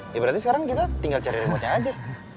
ya berarti sekarang kita tinggal cari remote nya aja